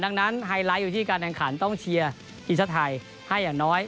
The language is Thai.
ดังนั้นไฮไลท์อยู่ที่การแข่งขันต้องเชียร์ทีมชาติไทยให้อย่างน้อย